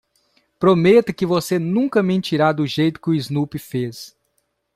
Prometa que você nunca mentirá do jeito que o Snoopy fez.